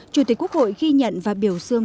chủ tịch quốc hội ghi nhận và biểu dương